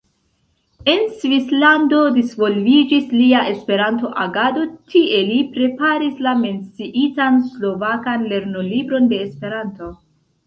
En Svislando disvolviĝis lia Esperanto-agado, tie li preparis la menciitan slovakan lernolibron de Esperanto.